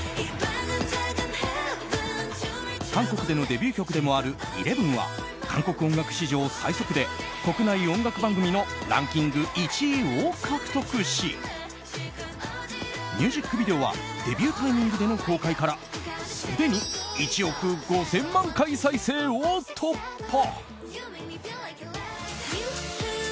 韓国でのデビュー曲でもある「ＥＬＥＶＥＮ」は韓国音楽史上最速で国内音楽番組のランキング１位を獲得しミュージックビデオはデビュータイミングでの公開からすでに１億５０００万回再生を突破。